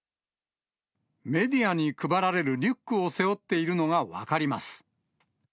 メディアに配られるリュックを背負っているのが分かります。